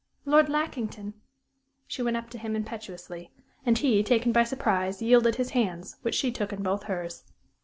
Lord Lackington!" She went up to him impetuously, and he, taken by surprise, yielded his hands, which she took in both hers.